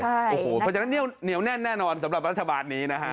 ใช่โอ้โฮเพราะฉะนั้นเหนียวแน่นนอนสำหรับรัฐบาทนี้นะฮะ